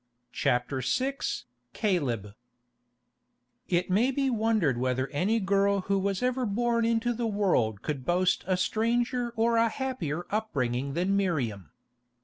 CHAPTER VI CALEB It may be wondered whether any girl who was ever born into the world could boast a stranger or a happier upbringing than Miriam.